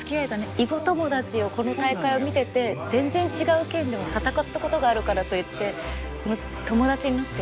囲碁友達をこの大会を見てて全然違う県でも戦ったことがあるからといって友達になっていく。